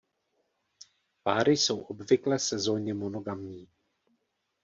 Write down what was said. Páry jsou obvykle sezónně monogamní.